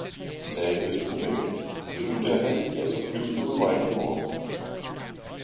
sagde Østenvinden, vil du derhen, ja så flyv du med mig i morgen!